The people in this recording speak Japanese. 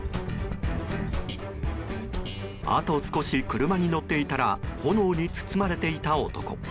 あと少し車に乗っていたら炎に包まれていた男。